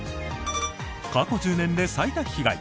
過去１０年で最多被害。